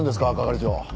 係長。